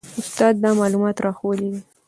استاد دا معلومات راښوولي دي.